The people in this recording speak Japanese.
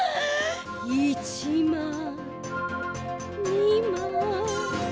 １まい２まい。